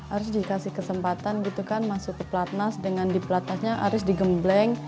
ari dikasih kesempatan gitu kan masuk ke platna dengan di platna nya ari digembleng